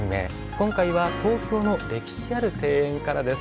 今回は、東京の歴史ある庭園からです。